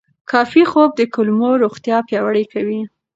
کافي خوب د کولمو روغتیا پیاوړې کوي.